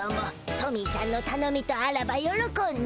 トミーしゃんのたのみとあらばよろこんで。